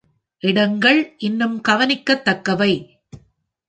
இடங்கள் இன்னும் கவனிக்கத்தக்கவை.